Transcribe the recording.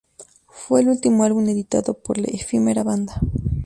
Fue el último álbum editado por la efímera banda.